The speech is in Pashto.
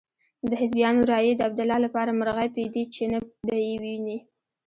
د حزبیانو رایې د عبدالله لپاره مرغۍ پۍ دي چې نه به يې وویني.